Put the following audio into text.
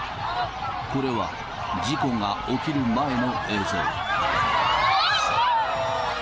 これは事故が起きる前の映像。